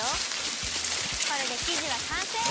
これできじはかんせい！